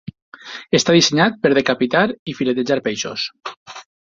Està dissenyat per decapitar i filetejar peixos.